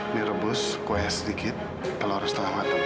mie rebus kuahnya sedikit telur setengah matang